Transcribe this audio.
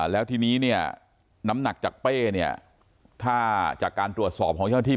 แล้วทีนี้เนี่ยน้ำหนักจากเป้เนี่ยถ้าจากการตรวจสอบของเจ้าหน้าที่